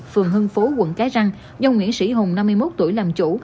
phường hưng phố quận cái răng dòng nguyễn sĩ hùng năm mươi một tuổi làm chủ